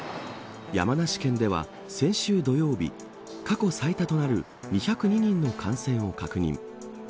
山梨県では先週土曜日過去最多となる２０２人の感染を確認。